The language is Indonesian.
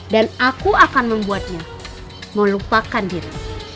aku akan membuatnya melupakan diri